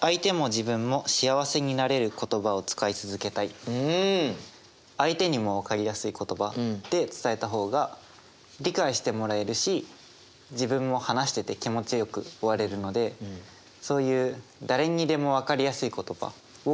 僕は相手にも分かりやすい言葉で伝えた方が理解してもらえるし自分も話してて気持ちよく終われるのでそういう誰にでも分かりやすい言葉を意識したいなと思って考えました。